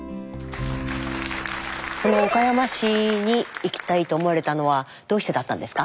この岡山市に行きたいと思われたのはどうしてだったんですか？